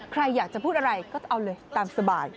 ใครอยากจะพูดอะไรก็เอาเลยตามสบาย